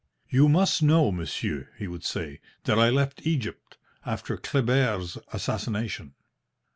"You must know, monsieur," he would say, "that I left Egypt after Kleber's assassination.